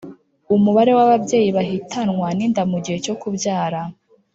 umubare w'ababyeyi bahitanwa n'inda mu gihe cyo kubyara